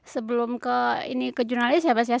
sebelum ke jurnalis ya mbak